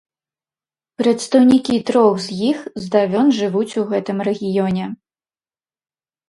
Прадстаўнікі трох з іх здавён жывуць у гэтым рэгіёне.